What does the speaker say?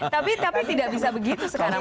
tapi tapi tidak bisa begitu sekarang